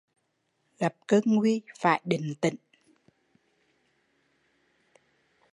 Gặp cơn nguy phải định tĩnh